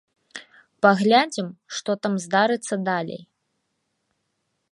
Паглядзім, што там здарыцца далей.